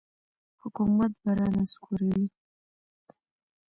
حکومت به را نسکوروي.